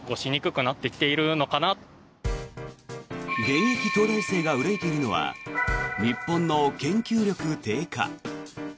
現役東大生が憂いているのは日本の研究力低下。